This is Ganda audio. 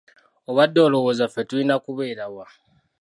Obadde olowooza ffe tulina kubeera wa?